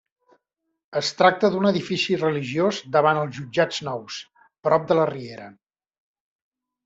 Es tracta d'un edifici religiós davant els jutjats nous, prop de la Riera.